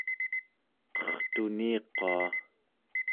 qertuniqua